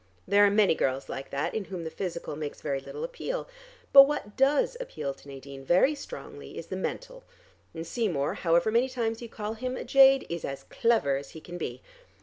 There are many girls like that in whom the physical makes very little appeal. But what does appeal to Nadine very strongly is the mental, and Seymour however many times you call him a jade, is as clever as he can be.